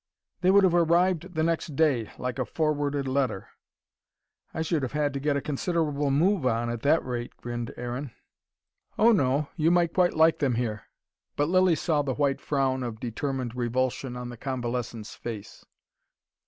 "They would have arrived the next day, like a forwarded letter." "I should have had to get a considerable move on, at that rate," grinned Aaron. "Oh, no. You might quite like them here." But Lilly saw the white frown of determined revulsion on the convalescent's face.